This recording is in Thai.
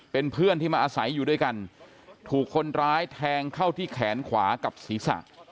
เป็นเพื่อนที่มาอาศัยอยู่ด้วยกันถูกคนร้ายแทงเข้าที่แขนขวากับศีรษะ